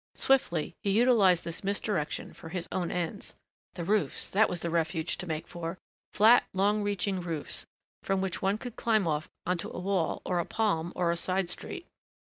Swiftly he utilized this misdirection for his own ends. The roofs. That was the refuge to make for. Flat, long reaching roofs, from which one could climb off onto a wall or a palm or a side street.